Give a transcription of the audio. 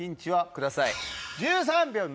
ください。